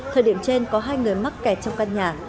thời điểm trên có hai người mắc kẹt trong căn nhà